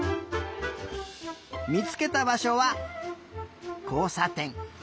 みつけたばしょはこうさてん。